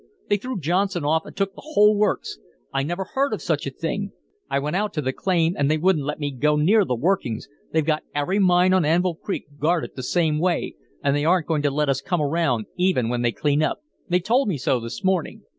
They threw Johnson off and took the whole works. I never heard of such a thing. I went out to the claim and they wouldn't let me go near the workings. They've got every mine on Anvil Creek guarded the same way, and they aren't going to let us come around even when they clean up. They told me so this morning."